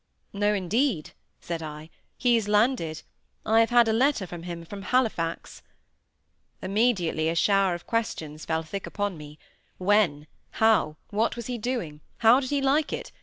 "No, indeed," said I, "he's landed. I have had a letter from him from Halifax." Immediately a shower of questions fell thick upon me. When? How? What was he doing? How did he like it?